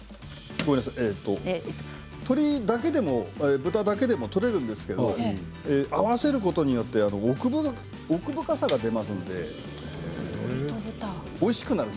鶏だけでも豚だけでもだしは取れるんですけれど合わせることによって奥深さが出ますのでおいしくなります。